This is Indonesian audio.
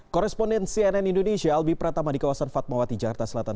koresponden cnn indonesia albi pratama di kawasan fatmawati jakarta selatan